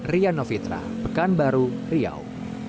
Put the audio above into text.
rian novitra pekanbaru riau